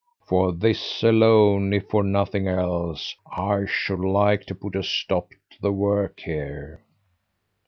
For this alone, if for nothing else, I should like to put a stop to the work here."